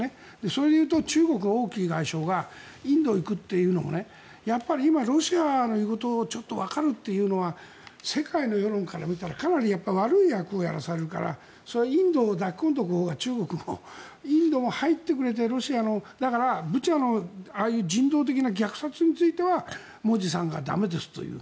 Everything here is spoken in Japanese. それで言うと中国の王毅外相がインドに行くというのもやっぱり今、ロシアの言うことちょっとわかるというのは世界の世論から見たらかなり悪い役をやらされるからインドを抱き込んでおくほうが中国もインドも入ってくれてロシアのだから、ブチャのああいう人道的な虐殺についてはモディさんが駄目ですと言う。